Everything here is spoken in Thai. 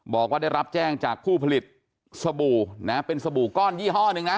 บอกว่าได้รับแจ้งจากผู้ผลิตสบู่นะเป็นสบู่ก้อนยี่ห้อหนึ่งนะ